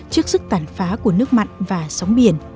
trước sức tàn phá của nước mặn và sóng biển